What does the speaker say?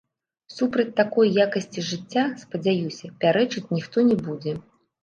Супраць такой якасці жыцця, спадзяюся, пярэчыць ніхто не будзе.